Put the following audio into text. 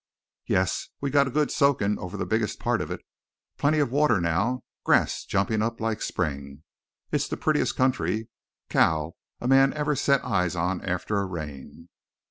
"Yes, we got a good soakin' over the biggest part of it. Plenty of water now, grass jumpin' up like spring. It's the purtiest country, Cal, a man ever set eyes on after a rain."